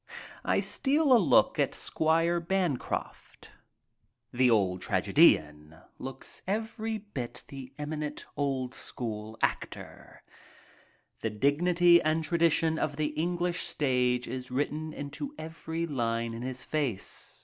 I steal a look at Squire Bancroft. The old tragedian 86 MY TRIP ABROAD looks every bit the eminent old school actor. The dignity and tradition of the English stage is written into every line in his face.